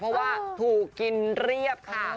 เพราะว่าถูกกินเรียบค่ะ